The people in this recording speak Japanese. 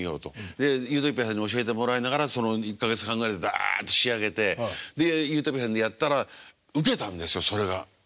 でゆーとぴあさんに教えてもらいながらその１か月半ぐらいでダッと仕上げてでゆーとぴあさんでやったらウケたんですよそれが。